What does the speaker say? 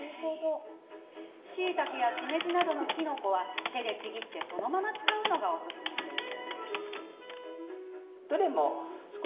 しいたけやしめじなどのきのこは手でちぎってそのまま使うのがおすすめです。